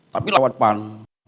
tapi lawan depan